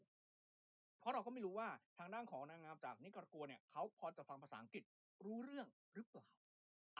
เพราะเราก็ไม่รู้ว่าทางด้านของนางงามจากนิกรโกเนี่ยเขาพอจะฟังภาษาอังกฤษรู้เรื่องหรือเปล่า